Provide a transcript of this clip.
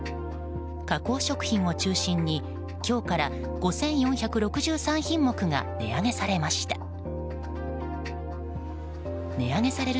加工食品を中心に今日から５４６３品目が値上げされました。